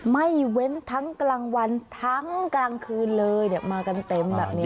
ไม่เว้นทั้งกลางวันทั้งกลางคืนเลยมากันเต็มแบบนี้